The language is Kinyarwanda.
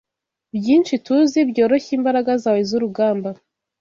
Byinshi tuzi, Byoroshya imbaraga zawe zurugamba